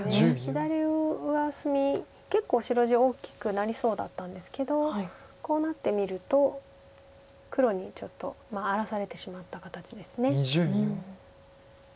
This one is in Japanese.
左上隅結構白地大きくなりそうだったんですけどこうなってみると黒にちょっと荒らされてしまった形です。